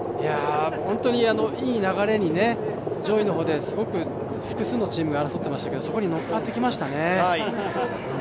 本当にいい流れに、上位の方に複数のチームが争っていましたけど、そこに乗っかってきましたね。